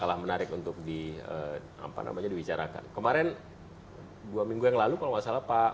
masalah menarik untuk di apa namanya diwisarakan kemarin dua minggu yang lalu kalau masalah pak